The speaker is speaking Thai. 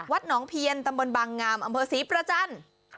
วัดนองเพียรตำบลบังงามอำเภษีประจันทร์